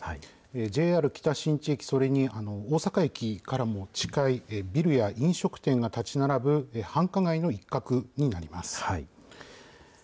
ＪＲ北新地駅、それに大阪駅からも近いビルや飲食店が建ち並ぶ繁華街の一角になります。